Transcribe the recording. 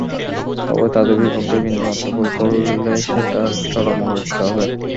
তবে তাদের বিপক্ষে বিন্দুমাত্র ভুল করলে সেটার চড়া মূল্য দিতে হবে।